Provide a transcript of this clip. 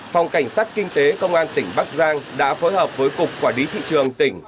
phòng cảnh sát kinh tế công an tỉnh bắc giang đã phối hợp với cục quản lý thị trường tỉnh